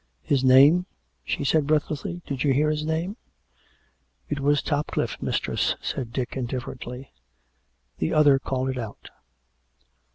"His name.''" she said breathlessly. "Did you hear his name }"" It was TopcIifFe, mistress," said Dick indifferently. " The other called it out."